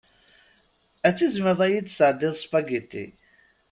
Ad tizmireḍ ad iyi-d-tesɛeddiḍ spaghetti?